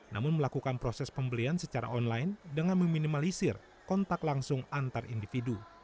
namun melakukan proses pembelian secara online dengan meminimalisir kontak langsung antar individu